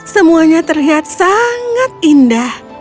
semuanya terlihat sangat indah